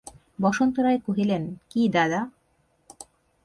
বসন্ত রায় কহিলেন, কী দাদা।